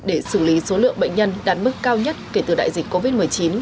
để xử lý số lượng bệnh nhân đạt mức cao nhất kể từ đại dịch covid một mươi chín